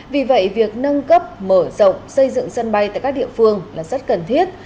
vì vậy việc nâng cấp mở rộng xây dựng sân bay tại các địa phương là rất cần thiết